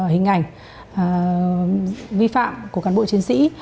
hình ảnh vi phạm của cản bộ chiến sĩ